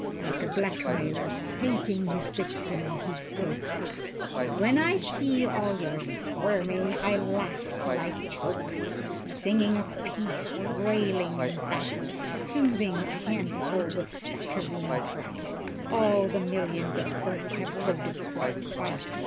Like a black mailer hating his victim he spoke: "When I see all your squirming I laugh till I choke Singing of peace. Railing at battle. Soothing a handful with saccharine prattle. All the millions of earth have voted for fight.